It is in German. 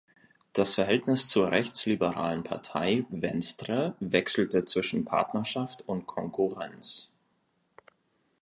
Das Verhältnis zur rechtsliberalen Partei "Venstre" wechselte zwischen Partnerschaft und Konkurrenz.